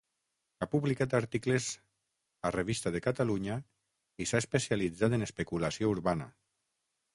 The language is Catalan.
Ha publicat articles a Revista de Catalunya i s'ha especialitzat en especulació urbana.